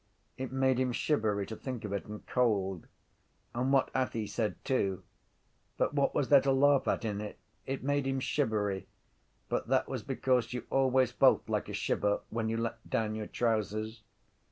It made him shivery to think of it and cold: and what Athy said too. But what was there to laugh at in it? It made him shivery: but that was because you always felt like a shiver when you let down your trousers.